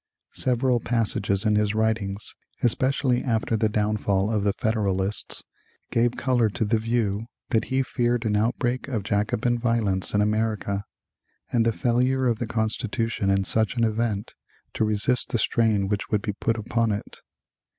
Several passages in his writings, especially after the downfall of the Federalists, gave color to the view that he feared an outbreak of Jacobin violence in America, and the failure of the Constitution in such an event to resist the strain which would be put upon it.